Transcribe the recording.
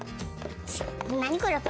何これ？